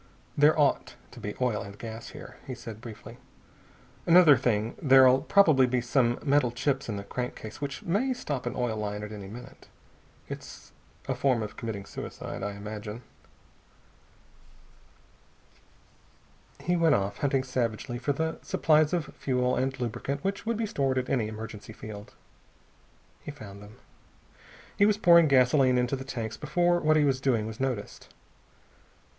"There ought to be oil and gas here," he said briefly. "Another thing, there'll probably be some metal chips in the crankcase, which may stop an oil line at any minute. It's a form of committing suicide, I imagine." He went off, hunting savagely for the supplies of fuel and lubricant which would be stored at any emergency field. He found them. He was pouring gasoline into the tanks before what he was doing was noticed.